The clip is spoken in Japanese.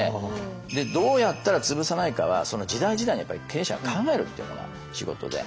どうやったらつぶさないかはその時代時代に経営者が考えるっていうのが仕事で。